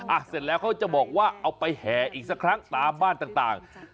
เสร็จแล้วเขาจะบอกว่าเอาไปแห่อีกสักครั้งตามบ้านต่าง